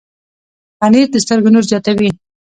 پنېر د سترګو نور زیاتوي.